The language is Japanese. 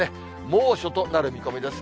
猛暑となる見込みです。